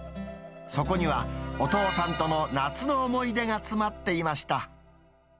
そこにはお父さんとの夏の思い出が詰まっていました。